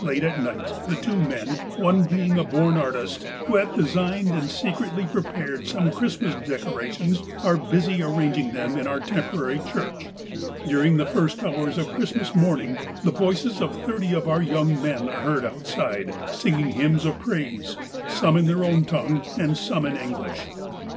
Late at night, the two men, — one being a born artist, — who have designed and secretly prepared some Christmas decorations, are busy arranging them in our temporary church. During the first hours of Christmas morn ing the voices of thirty of our young men are heard outside, singing hymns of praise, some in their own tongue, and some in English.